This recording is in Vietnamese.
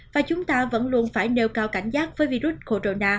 và chúng ta vẫn luôn phải nêu cao cảnh giác với virus corona trong tình hình mới